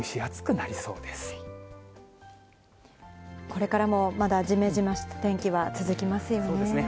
これからも、まだじめじめした天気は続きますよね。